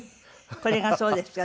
これがそうですかね？